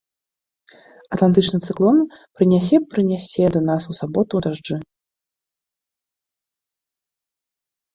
Атлантычны цыклон прынясе прынясе да нас у суботу дажджы.